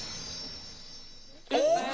おーっと！